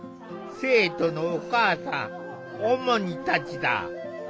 生徒のお母さんオモニたちだ。